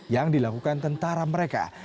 yang dilakukan tentara mereka